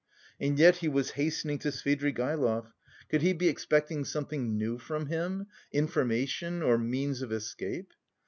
And yet he was hastening to Svidrigaïlov; could he be expecting something new from him, information, or means of escape?